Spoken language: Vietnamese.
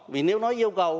vì nếu nói yêu cầu